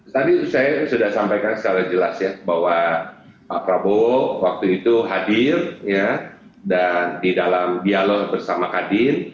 tadi saya sudah sampaikan secara jelas ya bahwa pak prabowo waktu itu hadir dan di dalam dialog bersama kadin